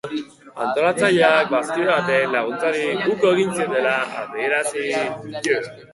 Antolatzaileek bazkide baten laguntzari uko egin ziotela adierai du.